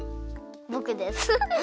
ぼくです。